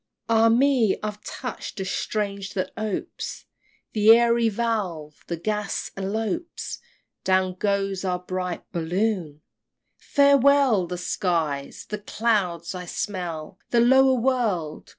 XXXV. Ah me! I've touch'd a string that opes The airy valve! the gas elopes Down goes our bright Balloon! Farewell the skies! the clouds! I smell The lower world!